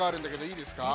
いいですよ。